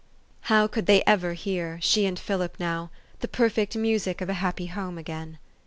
How could they ever hear she and Philip now the perfect music of a happy home again